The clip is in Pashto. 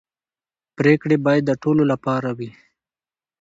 پرېکړې باید د ټولو لپاره وي